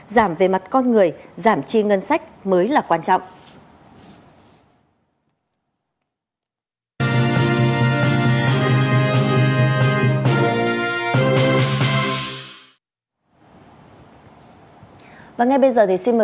giảm về mặt con người giảm chi ngân sách mới là quan trọng